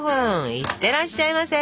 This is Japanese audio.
いってらっしゃいませ！